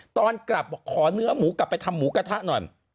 ตอนกลับบอกขอเนื้อหมูกลับไปทำหมูกระทะหน่อย